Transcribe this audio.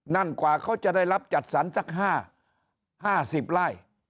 นั่นกว่าเขาจะได้รับจัดสรรสักห้าห้าสิบไร่